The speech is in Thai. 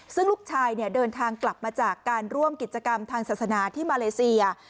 ซึ่งลูกชายเดินทางกลับมาจากการร่วมกิจกรรมทางศาสนาที่มาเลเซีย